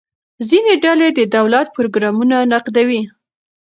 ځینې ډلې د دولت پروګرامونه نقدوي.